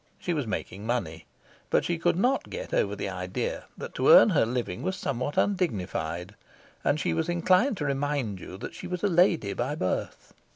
She was making money. But she could not get over the idea that to earn her living was somewhat undignified, and she was inclined to remind you that she was a lady by birth.